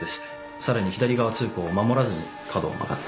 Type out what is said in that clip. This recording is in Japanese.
さらに左側通行を守らずに角を曲がった。